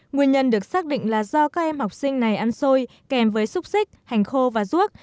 nguyên nhân được xác định là do các em học sinh này ăn xôi kèm với xúc xích hành khô và ruốc